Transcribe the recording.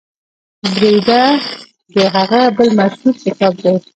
بریده د هغه بل مشهور کتاب دی.